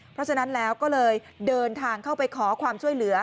เพราะฉะนั้นแล้วก็เลยเดินทางเข้าไปขอความช่วยเหลือ